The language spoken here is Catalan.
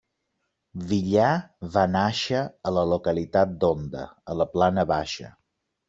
Villar va nàixer a la localitat d'Onda, a la Plana Baixa.